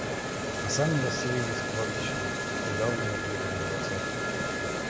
А сами расселились кладбищем, придавлены плитами дворцов.